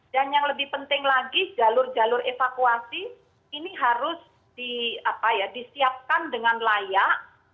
dan yang lebih penting lagi jalur jalur evakuasi ini harus disiapkan dengan layak